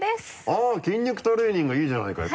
あぁ筋肉トレーニングいいじゃないかい。